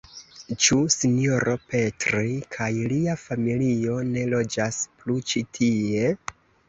Ĉu sinjoro Petri kaj lia familio ne loĝas plu ĉi tie?